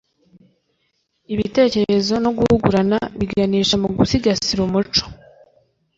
ibitekerezo no guhugurana biganisha mu gusigasira umuco